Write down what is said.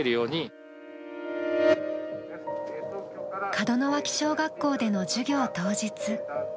門脇小学校での授業当日。